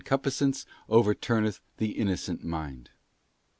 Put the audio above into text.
249 cupiscence overturneth the innocent mind.